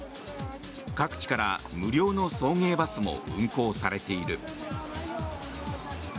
各地から無料の送迎バスも運行されている。